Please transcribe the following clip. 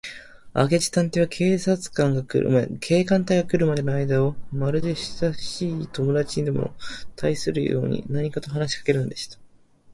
明智探偵は、警官隊が来るまでのあいだを、まるでしたしい友だちにでもたいするように、何かと話しかけるのでした。